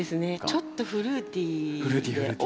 ちょっとフルーティーで。